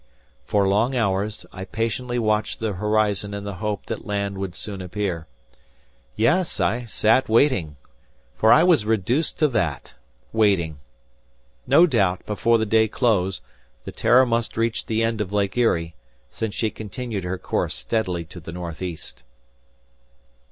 For long hours, I patiently watched the horizon in the hope that land would soon appear. Yes, I sat waiting! For I was reduced to that! Waiting! No doubt, before the day closed, the "Terror" must reach the end of Lake Erie, since she continued her course steadily to the northeast.